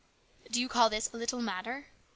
" Do you call this a little matter ?